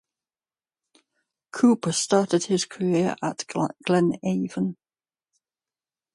Cooper started his career at Glenavon.